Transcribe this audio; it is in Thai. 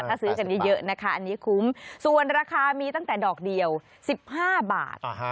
ถ้าซื้อกันเยอะนะคะอันนี้คุ้มส่วนราคามีตั้งแต่ดอกเดียว๑๕บาท